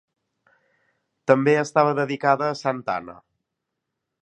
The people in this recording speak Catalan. També estava dedicada a santa Anna.